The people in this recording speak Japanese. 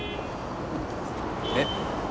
えっ？